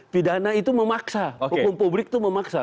pidana itu memaksa hukum publik itu memaksa